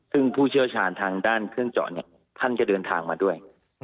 ซึ่งผู้เชี่ยวชาญทางด้านเครื่องเจาะเนี่ยท่านจะเดินทางมาด้วย